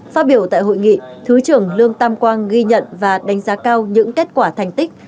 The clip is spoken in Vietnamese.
phát biểu tại hội nghị thứ trưởng lương tam quang ghi nhận và đánh giá cao những kết quả thành tích